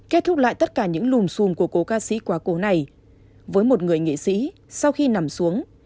kết thúc lại tất cả những lùm xùm của cố ca sĩ quá cố này với một người nghệ sĩ sau khi nằm xuống